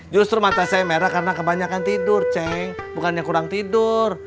justru mata saya merah karena kebanyakan tidur ceng bukannya kurang tidur